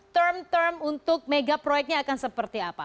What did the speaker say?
term term untuk mega proyeknya akan seperti apa